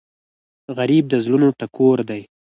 غریب د زړونو ټکور دی